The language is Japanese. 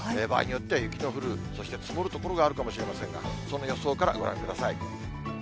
場合によっては雪の降る、そして積もる所があるかもしれませんが、そんな予想からご覧ください。